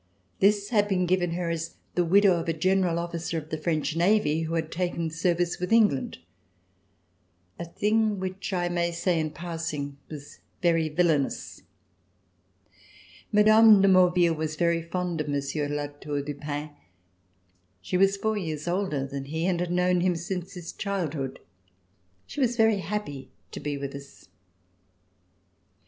This had been given her as the widow of a general officer of the French Marine, who had taken service with England, a thing which I may say in passing was very villainous. Mme. de Maurville was very fond of Monsieur de La Tour du Pin. She was four years older than he and had known him since his childhood. She was very happy to be with us.